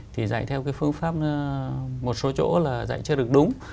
thì dạy theo cái phương pháp một số chỗ là dạy chưa được đúng